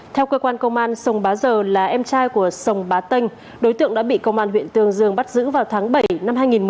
theo cơ quan công an sông bá giờ là em trai của sông bá tây đối tượng đã bị công an huyện tương dương bắt giữ vào tháng bảy năm hai nghìn một mươi